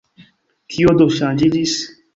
Kio do ŝanĝiĝis?